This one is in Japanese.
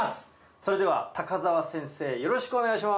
それでは高沢先生よろしくお願いします。